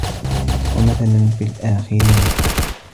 وَمَثَلًا فِي الْآخَرِينَ